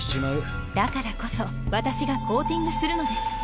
だからこそ私がコーティングするのです。